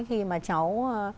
khi mà cháu